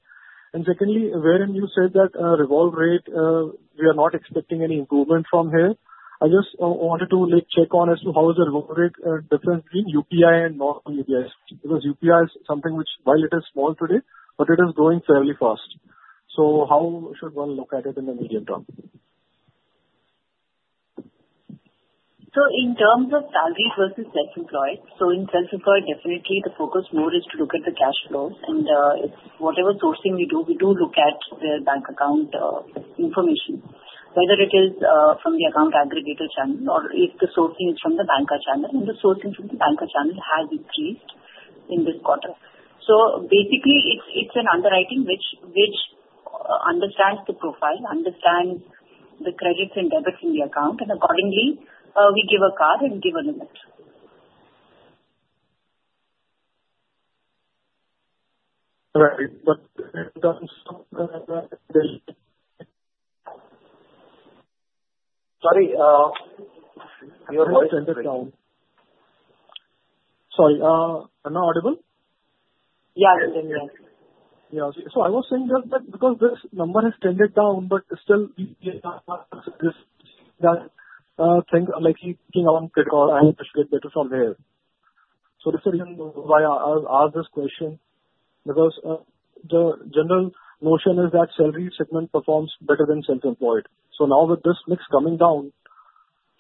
And secondly, wherein you said that revolver rate, we are not expecting any improvement from here. I just wanted to check on as to how the revolver rate is different between UPI and non-UPI? Because UPI is something which, while it is small today, but it is growing fairly fast. How should one look at it in the medium term? In terms of salaried versus self-employed, in self-employed, definitely the focus more is to look at the cash flows. And whatever sourcing we do, we do look at their bank account information, whether it is from the account aggregator channel or if the sourcing is from the banker channel. And the sourcing from the banker channel has increased in this quarter. So basically, it's an underwriting which understands the profile, understands the credits and debits in the account. And accordingly, we give a card and give a limit. Right. But sorry. Your voice has gone off. Sorry. Now audible? Yeah. Yeah. Yeah. So I was saying that because this number has trended down, but still, things are likely to come on credit card and it should get better from there. So this is the reason why I'll ask this question because the general notion is that salaried segment performs better than self-employed. So now with this mix coming down,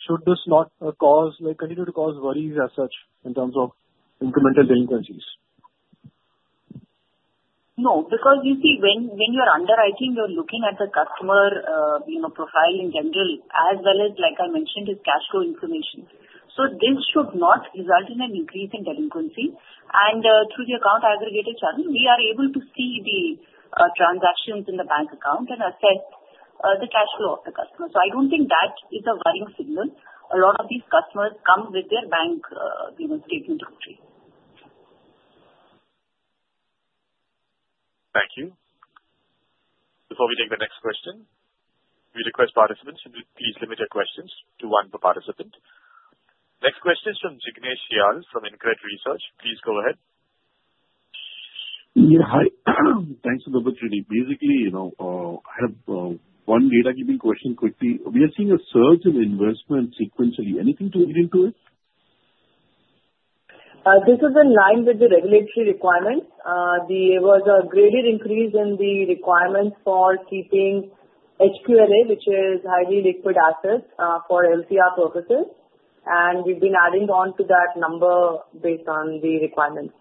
should this not continue to cause worries as such in terms of incremental delinquencies? No. Because you see, when you're underwriting, you're looking at the customer profile in general as well as, like I mentioned, his cash flow information. So this should not result in an increase in delinquency. And through the account aggregator channel, we are able to see the transactions in the bank account and assess the cash flow of the customer. So I don't think that is a worrying signal. A lot of these customers come with their bank statement entry. Thank you. Before we take the next question, we request participants to please limit their questions to one per participant. Next question is from Jignesh Shial from InCred Capital. Please go ahead. Yeah. Hi. Thanks for the opportunity. Basically, I have one data-giving question quickly. We are seeing a surge in investment sequentially. Anything to add into it? This is in line with the regulatory requirements. There was a graded increase in the requirements for keeping HQLA, which is highly liquid assets, for LCR purposes. And we've been adding on to that number based on the requirements.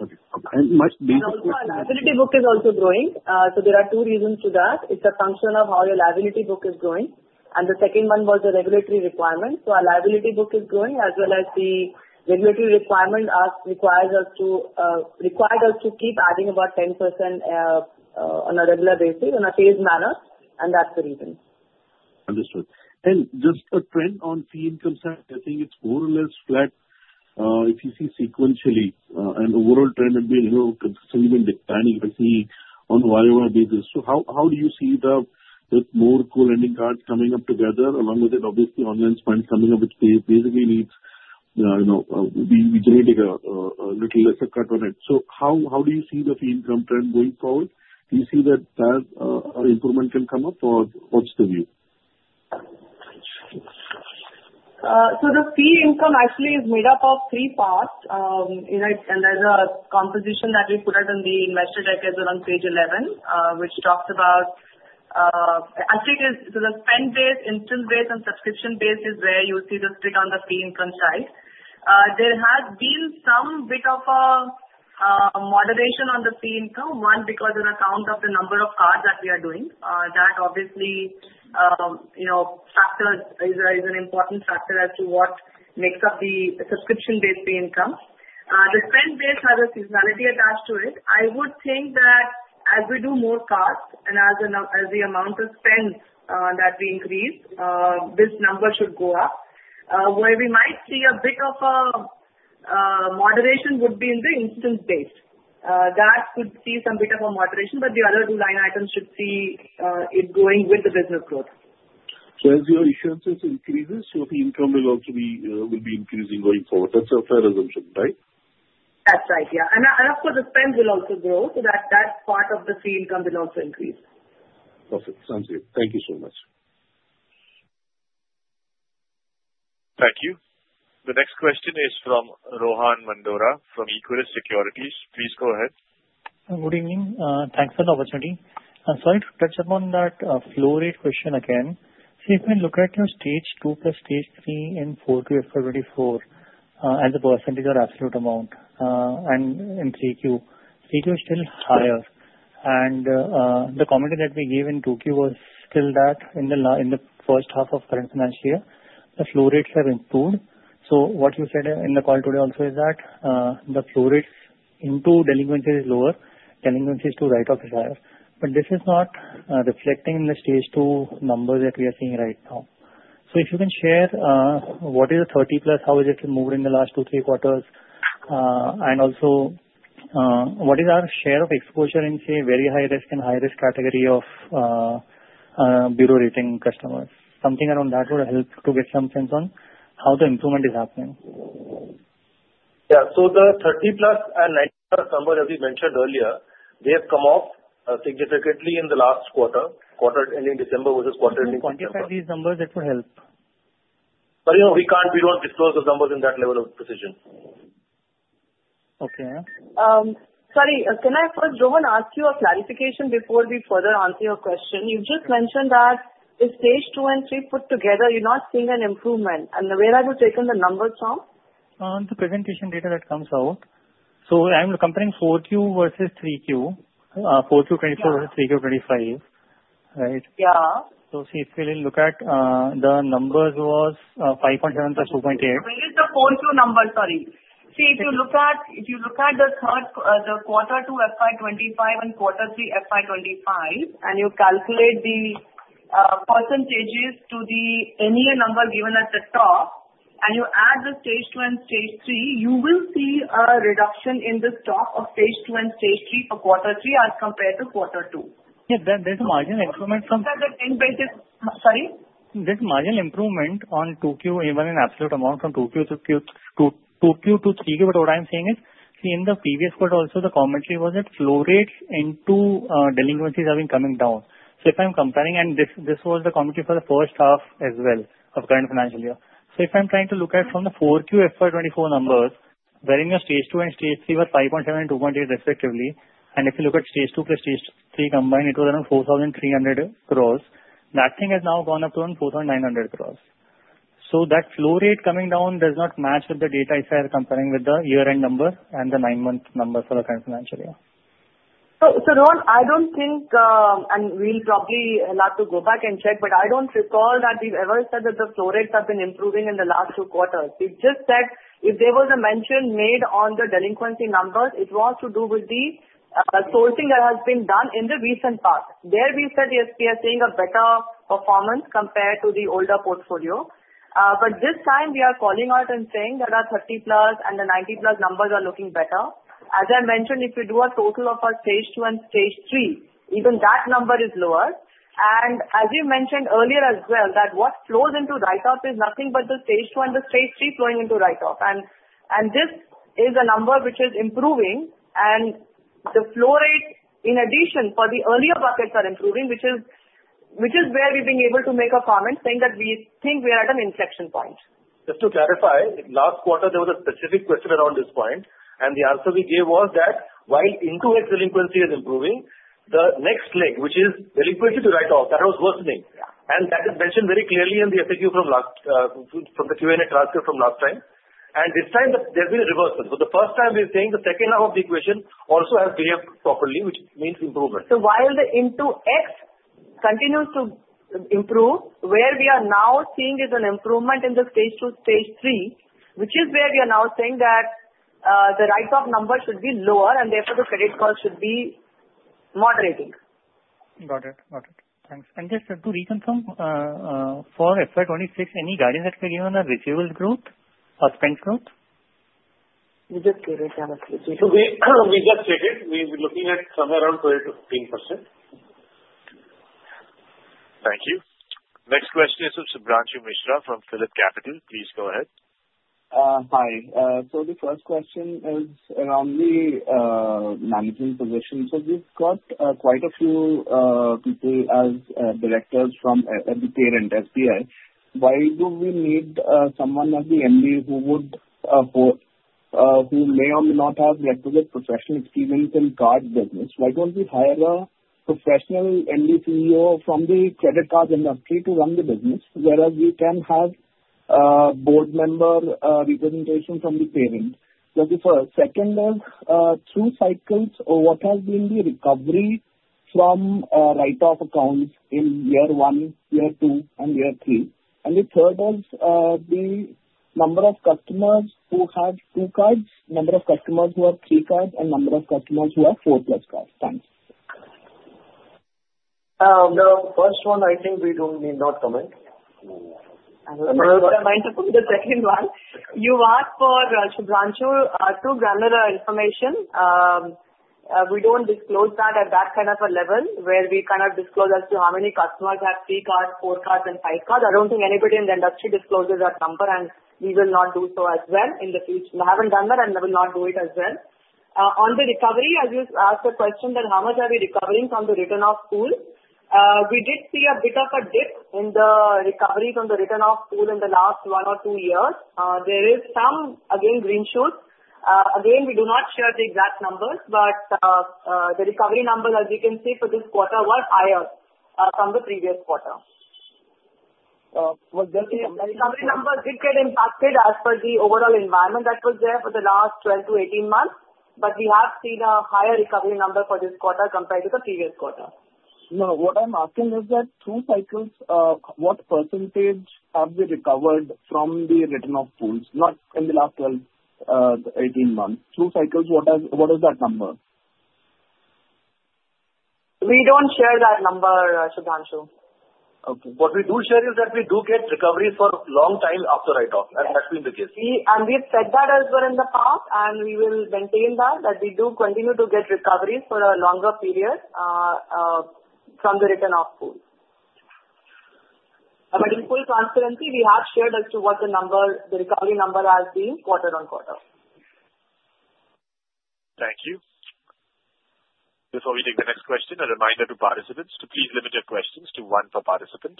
Okay. And much basic question. So the liability book is also growing. So there are two reasons to that. It's a function of how your liability book is growing. And the second one was the regulatory requirement. So our liability book is growing as well as the regulatory requirement required us to keep adding about 10% on a regular basis, on a phased manner. And that's the reason. Understood. And just the trend on fee income side, I think it's more or less flat if you see sequentially. Overall trend has been consistently declining on a YoY basis. So how do you see more co-branded cards coming up together? Along with it, obviously, online spend coming up, which basically means we generally take a little lesser cut on it. So how do you see the fee income trend going forward? Do you see that improvement can come up, or what's the view? The fee income actually is made up of three parts. There's a composition that we put out on the investor deck around page 11, which talks about I think it's the spend-based, installment-based, and subscription-based is where you see the stickiness on the fee income side. There has been some bit of a moderation on the fee income, one because on account of the number of cards that we are doing, that obviously factor is an important factor as to what makes up the subscription-based fee income. The spend-based has a seasonality attached to it. I would think that as we do more cards and as the amount of spend that we increase, this number should go up. Where we might see a bit of a moderation would be in the installment-based. That could see some bit of a moderation, but the other two line items should see it growing with the business growth. So as our acquisitions increase, so the income will also be increasing going forward. That's your fair assumption, right? That's right. Yeah. And of course, the spend will also grow, so that part of the fee income will also increase. Perfect. Sounds good. Thank you so much. Thank you. The next question is from Rohan Mandora from Equirus Securities. Please go ahead. Good evening. Thanks for the opportunity. I'm sorry to touch upon that flow rate question again. So if we look at your Stage 2 plus Stage 3 in 4Q FY24 as a percentage or absolute amount in 3Q, 3Q is still higher. And the commentary that we gave in 2Q was still that in the first half of current financial year, the flow rates have improved. So what you said in the call today also is that the flow rates into delinquency is lower, delinquency is to write-off is higher. But this is not reflecting in the Stage 2 numbers that we are seeing right now. So if you can share what is the 30 plus, how has it moved in the last two, three quarters, and also what is our share of exposure in, say, very high risk and high risk category of bureau rating customers? Something around that would help to get some sense on how the improvement is happening. Yeah. So the 30 plus and 90 plus numbers, as we mentioned earlier, they have come off significantly in the last quarter, quarter ending December versus quarter ending February. So what if I give numbers that would help? But we don't disclose those numbers in that level of precision. Okay. Sorry. Can I first, Rohan, ask you a clarification before we further answer your question? You just mentioned that if stage two and three put together, you're not seeing an improvement. And where have you taken the numbers from? On the presentation data that comes out. So I'm comparing 4Q versus 3Q, 4Q 24 versus 3Q 25, right? Yeah. So see, if we look at the numbers was 5.7 plus 2.8. So it's the 4Q number, sorry. See, if you look at the quarter two FY25 and quarter three FY25, and you calculate the percentages to the NEA number given at the top, and you add the Stage 2 and Stage 3, you will see a reduction in the stock of Stage 2 and Stage 3 for quarter three as compared to quarter two. Yeah. There's a margin improvement from. You said the spend-based is sorry? There's a margin improvement on 2Q, even in absolute amount from 2Q to 3Q. But what I'm saying is, see, in the previous quarter, also the commentary was that flow rates into delinquencies have been coming down. So if I'm comparing, and this was the commentary for the first half as well of current financial year. So if I'm trying to look at from the 4Q FY24 numbers, wherein your stage two and stage three were 5.7 and 2.8 respectively, and if you look at stage two plus stage three combined, it was around 4,300 crores. That thing has now gone up to around 4,900 crores. So that flow rate coming down does not match with the data I shared comparing with the year-end number and the nine-month number for the current financial year. So Rohan, I don't think, and we'll probably have to go back and check, but I don't recall that we've ever said that the flow rates have been improving in the last two quarters. We've just said if there was a mention made on the delinquency numbers, it was to do with the sourcing that has been done in the recent part. There we said the SPF is seeing a better performance compared to the older portfolio. But this time, we are calling out and saying that our 30 plus and the 90 plus numbers are looking better. As I mentioned, if you do a total of our stage two and stage three, even that number is lower. And as you mentioned earlier as well, that what flows into write-off is nothing but the stage two and the stage three flowing into write-off. And this is a number which is improving. And the flow rate, in addition, for the earlier buckets are improving, which is where we've been able to make a comment saying that we think we are at an inflection point. Just to clarify, last quarter, there was a specific question around this point. And the answer we gave was that while entry into delinquency is improving, the next leg, which is delinquency to write-off, that was worsening. And that is mentioned very clearly in the FAQ from the Q&A transcript from last time. And this time, there's been a reversal. So the first time, we're saying the second half of the equation also has behaved properly, which means improvement. So while the entry into delinquency continues to improve, where we are now seeing is an improvement in the stage two to stage three, which is where we are now saying that the write-off number should be lower, and therefore, the credit cost should be moderating. Got it. Got it. Thanks. And just to reconfirm, for FY26, any guidance that we're given on the revenue growth or spend growth? We just gave it. We just checked it. We're looking at somewhere around 12%-15%. Thank you. Next question is from Subhranshu Mishra from PhillipCapital. Please go ahead. Hi. So the first question is around the managing position. So we've got quite a few people as directors from the parent SBI. Why do we need someone at the MD who may or may not have requisite professional experience in card business? Why don't we hire a professional MD CEO from the credit card industry to run the business, whereas we can have board member representation from the parent? The second is, through cycles, what has been the recovery from write-off accounts in year one, year two, and year three? And the third is the number of customers who have two cards, number of customers who have three cards, and number of customers who have four plus cards. Thanks. The first one, I think we don't need to comment. I want to comment on the second one. You asked for Subhranshu to gather the information. We don't disclose that at that kind of a level, where we kind of disclose as to how many customers have three cards, four cards, and five cards. I don't think anybody in the industry discloses that number, and we will not do so as well in the future. We haven't done that, and we will not do it as well. On the recovery, as you asked the question that how much are we recovering from the written-off pool, we did see a bit of a dip in the recovery from the written-off pool in the last one or two years. There is some, again, green shoots. Again, we do not share the exact numbers, but the recovery numbers, as you can see, for this quarter were higher from the previous quarter. The recovery numbers did get impacted as per the overall environment that was there for the last 12 to 18 months, but we have seen a higher recovery number for this quarter compared to the previous quarter. Now, what I'm asking is that through cycles, what percentage have we recovered from the written-off pools, not in the last 12 to 18 months? Through cycles, what is that number? We don't share that number, Subhranshu. Okay. What we do share is that we do get recoveries for a long time after write-off. That's been the case. See, and we've said that as well in the past, and we will maintain that, that we do continue to get recoveries for a longer period from the written-off pool. But in full transparency, we have shared as to what the recovery number has been quarter on quarter. Thank you. Before we take the next question, a reminder to participants to please limit your questions to one per participant.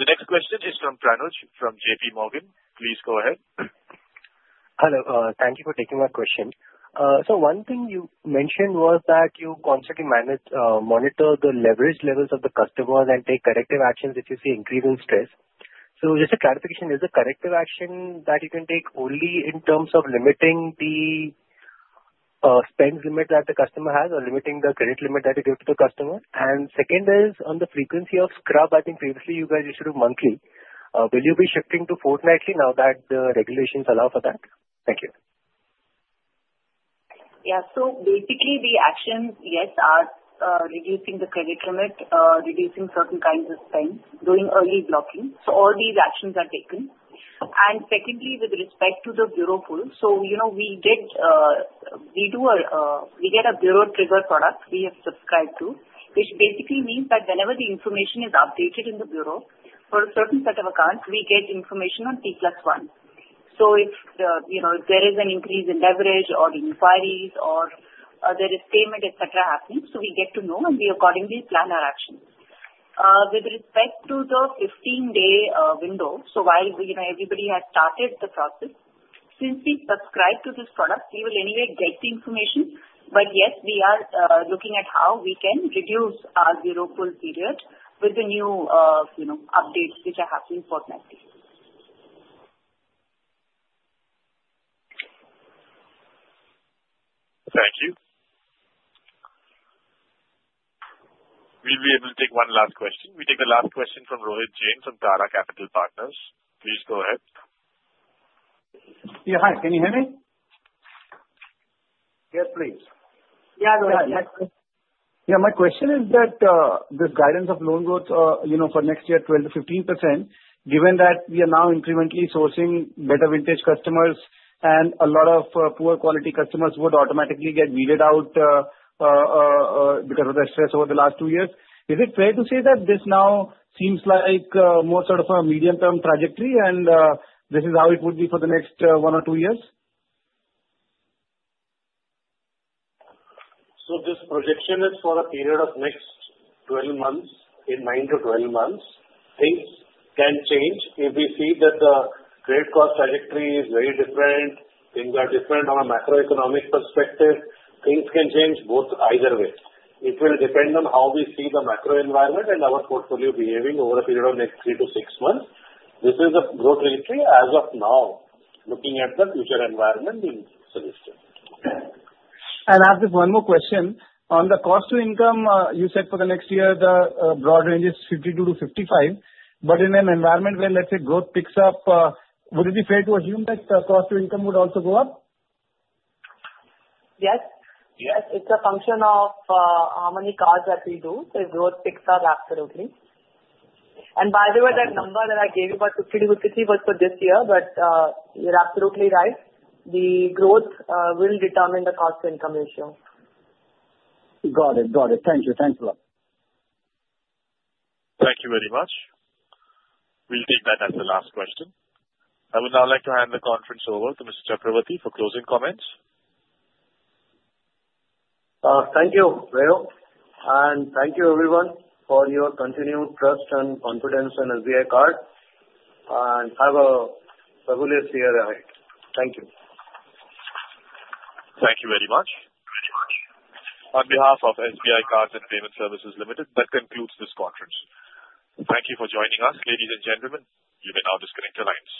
The next question is from Pranuj from J.P. Morgan. Please go ahead. Hello. Thank you for taking my question. So one thing you mentioned was that you constantly monitor the leverage levels of the customers and take corrective actions if you see increase in stress. So just a clarification, is the corrective action that you can take only in terms of limiting the spend limit that the customer has or limiting the credit limit that you give to the customer? Second is on the frequency of scrub. I think previously you guys issued a monthly. Will you be shifting to fortnightly now that the regulations allow for that? Thank you. Yeah. Basically, the actions, yes, are reducing the credit limit, reducing certain kinds of spend, doing early blocking. All these actions are taken. Secondly, with respect to the bureau pull, we get a bureau trigger product we have subscribed to, which basically means that whenever the information is updated in the bureau for a certain set of accounts, we get information on T plus one. If there is an increase in leverage or inquiries or there is payment, etc., happening, we get to know, and we accordingly plan our actions. With respect to the 15-day window, so while everybody has started the process, since we subscribed to this product, we will anyway get the information. But yes, we are looking at how we can reduce our bureau pull period with the new updates which are happening fortnightly. Thank you. We'll be able to take one last question. We take the last question from Rohit Jain from Tara Capital Partners. Please go ahead. Yeah. Hi. Can you hear me? Yes, please. Yeah. Go ahead. Yeah. My question is that this guidance of loan growth for next year, 12%-15%, given that we are now incrementally sourcing better vintage customers, and a lot of poor-quality customers would automatically get weeded out because of the stress over the last two years, is it fair to say that this now seems like more sort of a medium-term trajectory, and this is how it would be for the next one or two years? So this projection is for a period of next 12 months, in 9 to 12 months. Things can change. If we see that the credit card trajectory is very different, things are different on a macroeconomic perspective, things can change either way. It will depend on how we see the macro environment and our portfolio behaving over a period of next three to six months. This is a growth rate as of now, looking at the future environment in isolation. I have just one more question. On the cost to income, you said for the next year, the broad range is 52%-55%. But in an environment where, let's say, growth picks up, would it be fair to assume that the cost to income would also go up? Yes. Yes. It's a function of how many cards that we do. If growth picks up, absolutely. And by the way, that number that I gave you about 52%-50% was for this year, but you're absolutely right. The growth will determine the cost to income ratio. Got it. Got it. Thank you. Thanks a lot. Thank you very much. We'll take that as the last question. I would now like to hand the conference over to Mr. Chakravorty for closing comments. Thank you, Rao. And thank you, everyone, for your continued trust and confidence in SBI Cards. And have a fabulous year ahead. Thank you. Thank you very much. Very much. On behalf of SBI Cards and Payment Services Limited, that concludes this conference. Thank you for joining us, ladies and gentlemen. You may now disconnect your lines.